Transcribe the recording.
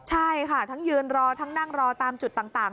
ใช่ค่ะทั้งยืนรอทั้งนั่งรอตามจุดต่าง